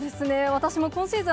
私も今シーズン